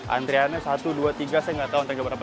antriannya satu dua tiga saya gak tau antri keberapa